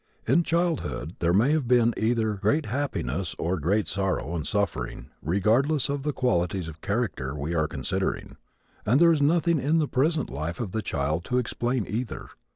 In childhood, there may have been either great happiness or great sorrow and suffering regardless of the qualities of character we are considering, and there is nothing in the present life of the child to explain either.